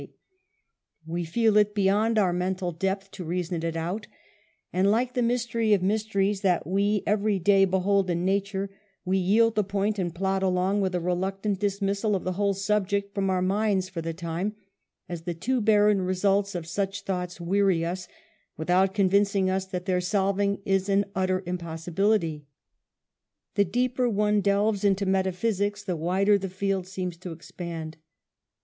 28 UNMASKED. We feel it beyond our mental depth to reason it out^ and like the mystery of mysteries that we every day behold in nature, we yield the point and plod along with a reluctant dismissal of the whole subject from our minds for the time, as the too barren results of such thoughts weary us, without convincing us that their solving is an utter impossibility. The deeper one delves into metaphysics the wider the field seems to expand.